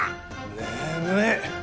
眠い！